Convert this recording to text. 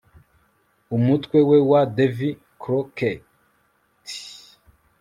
Umutwe we wa Davy Crockett